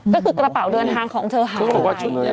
ก็คือกระเป๋าเดินทางของเธอหาย